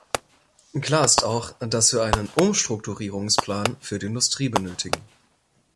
Klar ist auch, dass wir einen Umstrukturierungsplan für die Industrie benötigen.